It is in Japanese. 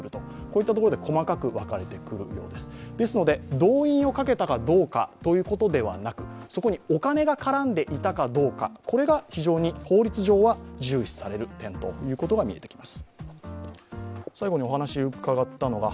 動員をかけたかどうかということではなく、そこにお金が絡んでいたかどうかこれが非常に法律上は重視される点です。